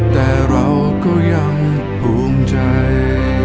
แต่เราก็ยังภูมิใจ